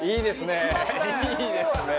いいですねえ！